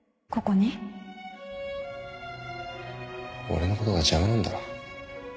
俺のことが邪魔なんだろ。